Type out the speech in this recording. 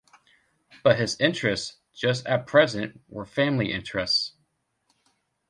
But his interests, just at present, were family interests.